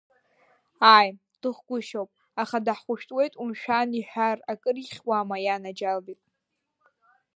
Ааи, дыхәгәышьоуп, аха даҳхәышәтәуеит умшәан, иҳәар акыр ихьуама, ианаџьалбеит.